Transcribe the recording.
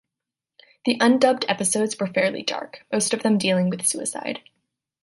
The undubbed episodes were fairly dark, most of them dealing with suicide.